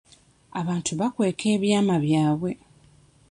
Abantu bakweka ebyama byabwe.